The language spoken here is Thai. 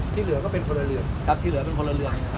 ที่เหลือก็เป็นคนละเรือน